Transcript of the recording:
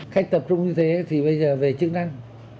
khách tập trung như thế thì bây giờ về chức năng